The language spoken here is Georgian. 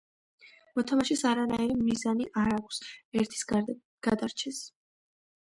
მოთამაშეს არანაირი მიზანი არ აქვს ერთის გარდა, გადარჩეს.